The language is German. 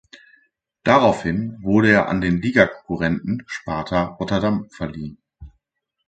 Daraufhin wurde er an den Ligakonkurrenten Sparta Rotterdam verliehen.